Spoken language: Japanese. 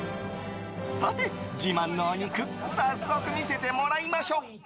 さて自慢のお肉早速、見せてもらいましょう。